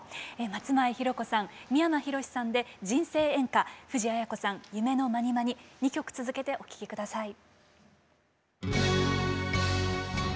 松前ひろ子さん三山ひろしさんで「人生援歌」藤あや子さん「夢のまにまに」２曲続けてお聴きください。